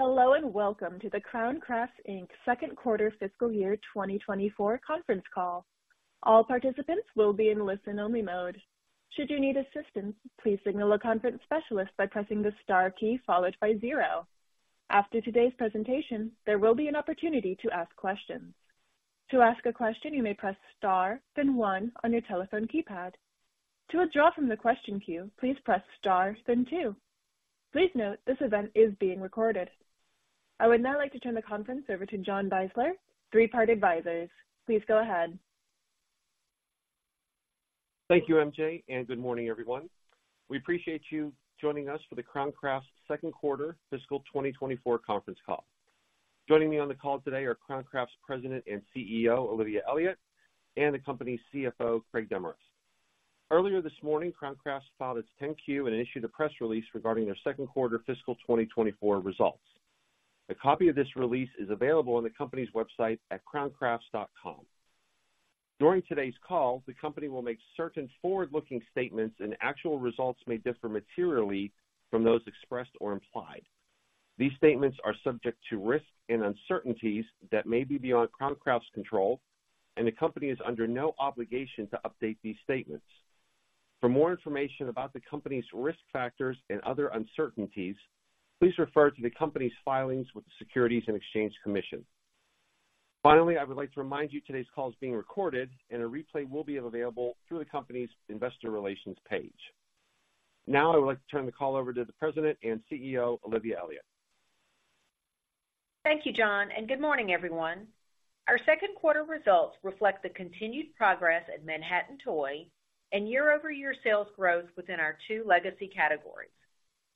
Hello, and welcome to the Crown Crafts, Inc. second quarter fiscal year 2024 conference call. All participants will be in listen-only mode. Should you need assistance, please signal a conference specialist by pressing the star key followed by zero. After today's presentation, there will be an opportunity to ask questions. To ask a question, you may press star then one on your telephone keypad. To withdraw from the question queue, please press star then two. Please note, this event is being recorded. I would now like to turn the conference over to John Beisler, Three Part Advisors. Please go ahead. Thank you, MJ, and good morning, everyone. We appreciate you joining us for the Crown Crafts second quarter fiscal 2024 conference call. Joining me on the call today are Crown Crafts President and CEO, Olivia Elliott, and the company's CFO, Craig Demarest. Earlier this morning, Crown Crafts filed its 10-Q and issued a press release regarding their second quarter fiscal 2024 results. A copy of this release is available on the company's website at crowncrafts.com. During today's call, the company will make certain forward-looking statements, and actual results may differ materially from those expressed or implied. These statements are subject to risks and uncertainties that may be beyond Crown Crafts' control, and the company is under no obligation to update these statements. For more information about the company's risk factors and other uncertainties, please refer to the company's filings with the Securities and Exchange Commission.Finally, I would like to remind you today's call is being recorded, and a replay will be available through the company's investor relations page. Now, I would like to turn the call over to the President and CEO, Olivia Elliott. Thank you, John, and good morning, everyone. Our second quarter results reflect the continued progress at Manhattan Toy and year-over-year sales growth within our two legacy categories.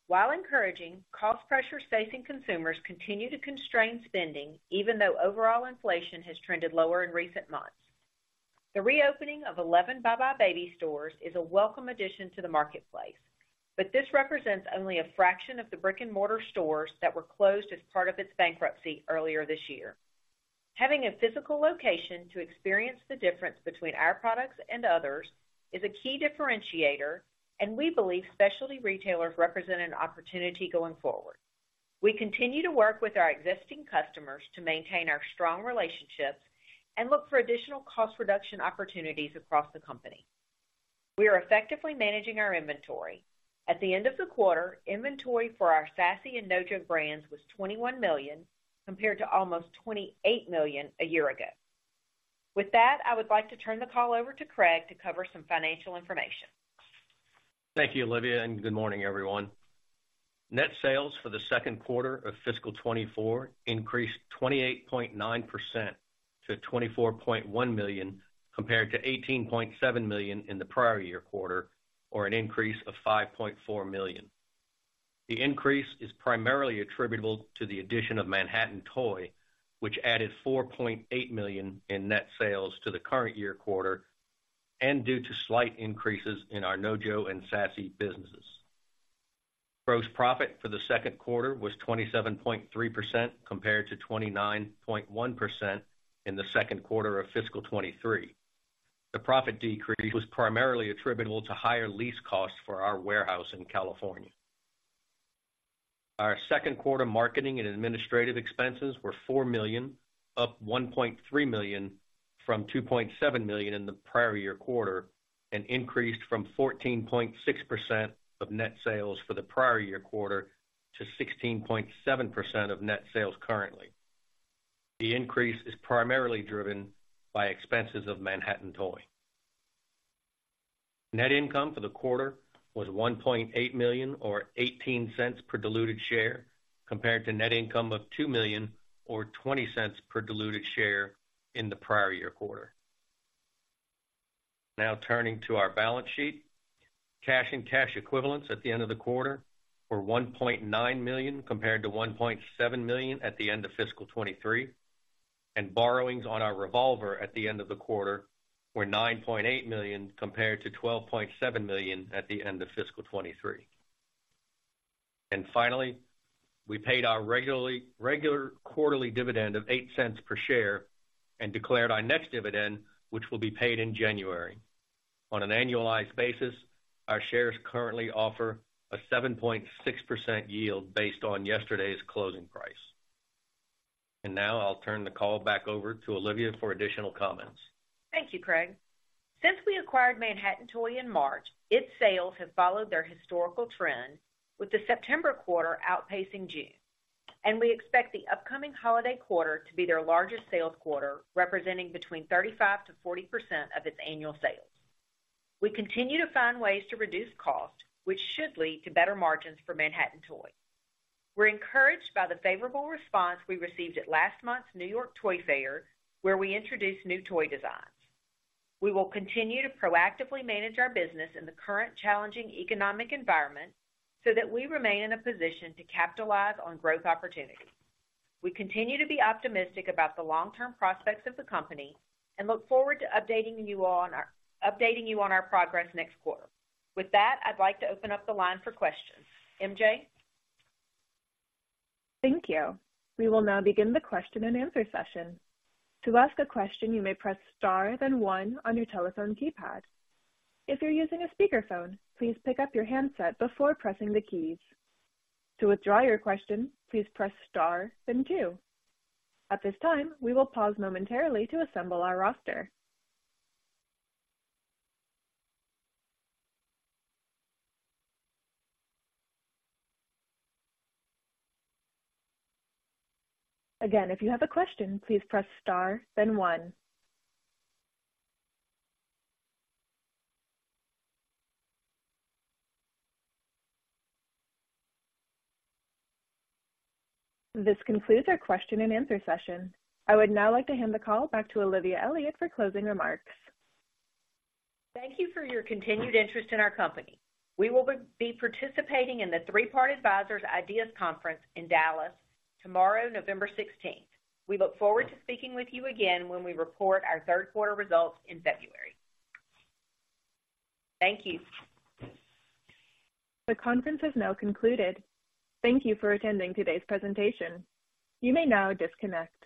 While encouraging, cost pressures facing consumers continue to constrain spending, even though overall inflation has trended lower in recent months. The reopening of 11 buybuy BABY stores is a welcome addition to the marketplace, but this represents only a fraction of the brick-and-mortar stores that were closed as part of its bankruptcy earlier this year. Having a physical location to experience the difference between our products and others is a key differentiator, and we believe specialty retailers represent an opportunity going forward. We continue to work with our existing customers to maintain our strong relationships and look for additional cost reduction opportunities across the company. We are effectively managing our inventory. At the end of the quarter, inventory for our Sassy and NoJo brands was $21 million, compared to almost $28 million a year ago. With that, I would like to turn the call over to Craig to cover some financial information. Thank you, Olivia, and good morning, everyone. Net sales for the second quarter of fiscal 2024 increased 28.9% to $24.1 million, compared to $18.7 million in the prior year quarter, or an increase of $5.4 million. The increase is primarily attributable to the addition of Manhattan Toy, which added $4.8 million in net sales to the current year quarter and due to slight increases in our NoJo and Sassy businesses. Gross profit for the second quarter was 27.3%, compared to 29.1% in the second quarter of fiscal 2023. The profit decrease was primarily attributable to higher lease costs for our warehouse in California. Our second quarter marketing and administrative expenses were $4 million, up $1.3 million from $2.7 million in the prior year quarter, and increased from 14.6% of net sales for the prior year quarter to 16.7% of net sales currently. The increase is primarily driven by expenses of Manhattan Toy. Net income for the quarter was $1.8 million, or $0.18 per diluted share, compared to net income of $2 million or $0.20 per diluted share in the prior year quarter. Now turning to our balance sheet. Cash and cash equivalents at the end of the quarter were $1.9 million, compared to $1.7 million at the end of fiscal 2023, and borrowings on our revolver at the end of the quarter were $9.8 million, compared to $12.7 million at the end of fiscal 2023. And finally, we paid our regular quarterly dividend of $0.08 per share and declared our next dividend, which will be paid in January. On an annualized basis, our shares currently offer a 7.6% yield based on yesterday's closing price. And now I'll turn the call back over to Olivia for additional comments. Thank you, Craig. Since we acquired Manhattan Toy in March, its sales have followed their historical trend, with the September quarter outpacing June. We expect the upcoming holiday quarter to be their largest sales quarter, representing between 35%-40% of its annual sales. We continue to find ways to reduce costs, which should lead to better margins for Manhattan Toy. We're encouraged by the favorable response we received at last month's New York Toy Fair, where we introduced new toy designs. We will continue to proactively manage our business in the current challenging economic environment so that we remain in a position to capitalize on growth opportunities. We continue to be optimistic about the long-term prospects of the company and look forward to updating you on our progress next quarter. With that, I'd like to open up the line for questions. MJ? Thank you. We will now begin the Q&A session. To ask a question, you may press star, then one on your telephone keypad. If you're using a speakerphone, please pick up your handset before pressing the keys. To withdraw your question, please press star, then two. At this time, we will pause momentarily to assemble our roster. Again, if you have a question, please press star, then one. This concludes our Q&A session. I would now like to hand the call back to Olivia Elliott for closing remarks. Thank you for your continued interest in our company. We will be participating in the Three Part Advisors IDEAS Conference in Dallas tomorrow, November 16. We look forward to speaking with you again when we report our third quarter results in February. Thank you. The conference is now concluded. Thank you for attending today's presentation. You may now disconnect.